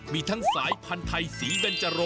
ว้าว